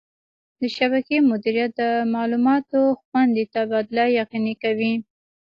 د شبکې مدیریت د معلوماتو خوندي تبادله یقیني کوي.